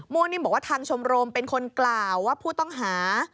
นิ่มบอกว่าทางชมรมเป็นคนกล่าวว่าผู้ต้องหา